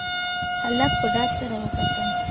هلک په ډار سره وکتل.